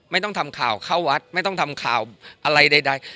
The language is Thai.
ไม่ต้องทำข่าวเข้าวัดไม่ต้องทำข่าวอะไรใด